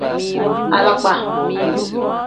Alakpa.